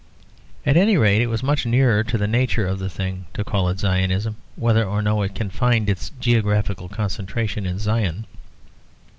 At any rate it was much nearer to the nature of the thing to call it Zionism, whether or no it can find its geographical concentration in Zion.